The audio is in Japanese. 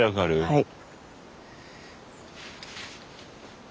はい。